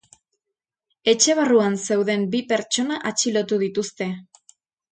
Etxe barruan zeuden bi pertsona atxilotu dituzte.